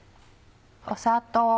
砂糖。